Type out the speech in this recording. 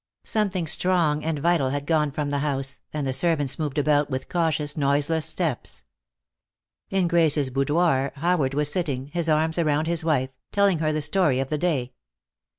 Something strong and vital had gone from the house, and the servants moved about with cautious, noiseless steps. In Grace's boudoir, Howard was sitting, his arms around his wife, telling her the story of the day.